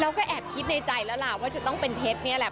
แค่แอบคิดในใจแล้วล่ะว่าจะต้องเป็นเพชรนี่แหละ